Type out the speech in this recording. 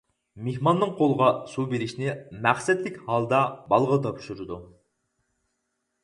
مېھماننىڭ قولىغا سۇ بېرىشنى مەقسەتلىك ھالدا بالىغا تاپشۇرىدۇ.